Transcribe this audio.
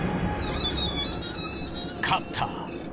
勝った。